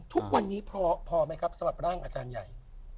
ทุกวันนี้พอไหมครับสำหรับร่างอาจารย์ใหญ่